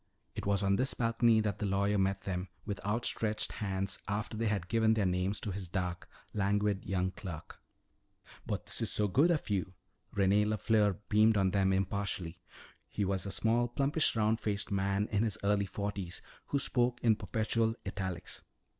It was on this balcony that the lawyer met them with outstretched hands after they had given their names to his dark, languid young clerk. "But this is good of you!" René LeFleur beamed on them impartially. He was a small, plumpish, round faced man in his early forties, who spoke in perpetual italics.